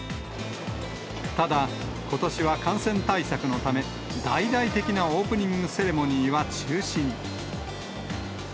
ただ、ことしは感染対策のため、大々的なオープニングセレモニーは中止に。